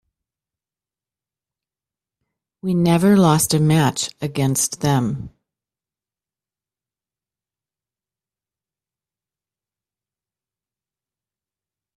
We never lost a match against them.